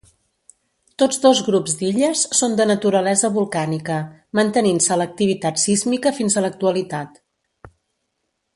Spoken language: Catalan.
Tots dos grups d'illes són de naturalesa volcànica, mantenint-se l'activitat sísmica fins a l'actualitat.